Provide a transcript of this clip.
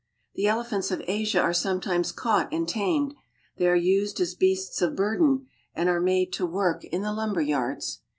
e elephants of Asia are sometimes caught and tamed. *ey are used as beasts of burden and are made to work ISO AFRICA in the lumber yards.